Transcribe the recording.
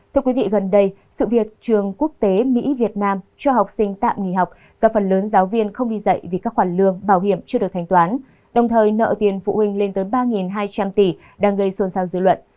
thưa quý vị gần đây sự việc trường quốc tế mỹ việt nam cho học sinh tạm nghỉ học và phần lớn giáo viên không đi dạy vì các khoản lương bảo hiểm chưa được thanh toán đồng thời nợ tiền phụ huynh lên tới ba hai trăm linh tỷ đang gây xôn xao dư luận